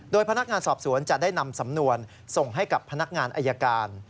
พนักงานสอบสวนจะได้นำสำนวนส่งให้กับพนักงานอายการ